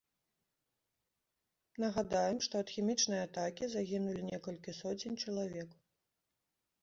Нагадаем, што ад хімічнай атакі загінулі некалькі соцень чалавек.